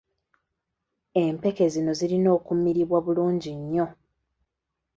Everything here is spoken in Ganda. Empeke zino zirina okumiribwa bulungi nnyo.